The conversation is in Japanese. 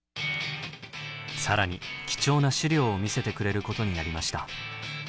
更に貴重な資料を見せてくれることになりました。